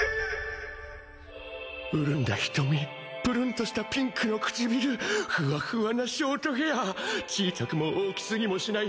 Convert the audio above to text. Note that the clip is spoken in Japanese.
潤んだ瞳ぷるんとしたピンクの唇ふわふわなショートヘア小さくも大きすぎもしない